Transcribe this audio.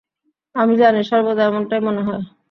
আমি জানি, সর্বদা এমনটাই মনে হয়।